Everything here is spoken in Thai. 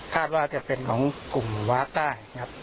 คาดว่าจะเป็นของกลุ่มวาสใต้ครับ